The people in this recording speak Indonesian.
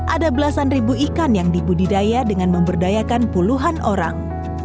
ada belasan ribu ikan yang dibudidaya dengan memberdayakan puluhan orang